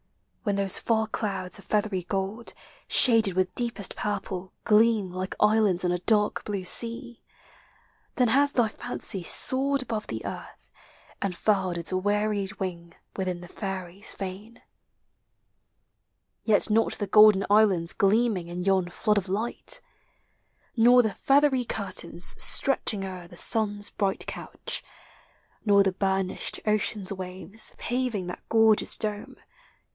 When those far clouds of feathery gold,. Shaded with deepest purple, gleam Like islands on a dark blue 1 sea ; Then has thy fancy soared above llie earth, And furled its wearied wing Within the Fairy's fane. Yet not the golden islands Gleaming in yon flood of light, Nor the feathery curtains Stretching o'er the sun's bright couch, Nor the burnished ocean's waves Paving that gorgeous dome.